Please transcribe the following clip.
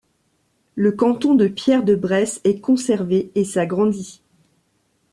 Le canton de Pierre-de-Bresse est conservé et s'agrandit.